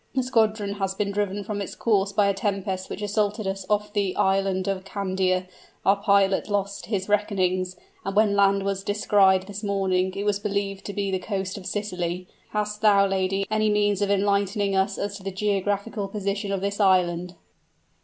The squadron has been driven from its course by a tempest which assailed us off the island of Candia; our pilot lost his reckonings, and when land was descried this morning, it was believed to be the coast of Sicily. Hast thou, lady, any means of enlightening us as to the geographical position of this island?"